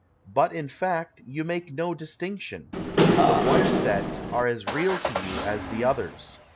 But, in fact, you make no distinction. The one set are as real to you as the others.